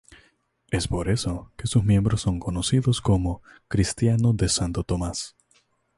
Es por eso que sus miembros son conocidos como "cristianos de Santo Tomás".